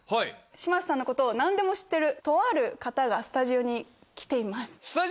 嶋佐さんのことを何でも知ってるとある方がスタジオに来てます。